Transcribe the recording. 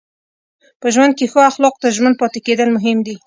په ژوند کې ښو اخلاقو ته ژمن پاتې کېدل مهم دي.